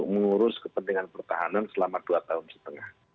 mengurus kepentingan pertahanan selama dua tahun setengah